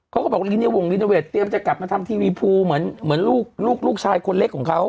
เขาก็บอกลิเวีวงรีโนเวทเตรียมจะกลับมาทำทีวีภูเหมือนลูกลูกชายคนเล็กของเขา